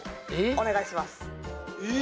お願いします。